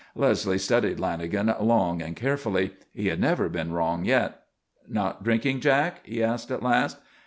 Leslie studied Lanagan long and carefully. He had never been wrong yet. "Not drinking, Jack?" he asked at last.